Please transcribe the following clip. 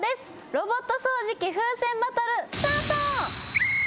ロボット掃除機風船バトルスタート！